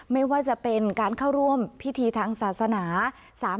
ไม่ว่าจะเป็นการเข้าร่วมพิธีทางศาสนา